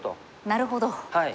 なるほど。